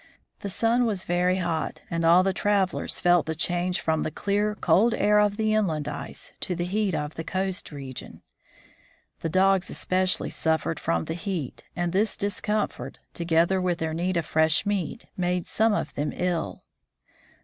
The sun was very hot, and all the travelers felt the change from the clear cold air of the inland ice to the heat of the coast region. The dogs especially suffered from the heat, and this discomfort, together with their need of fresh meat, made some of them ill.